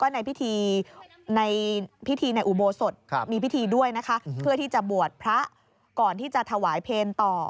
ในพิธีในพิธีในอุโบสถมีพิธีด้วยนะคะเพื่อที่จะบวชพระก่อนที่จะถวายเพลงต่อ